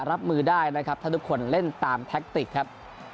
รับมือได้นะครับถ้าทุกคนเล่นตามแท็กติกครับ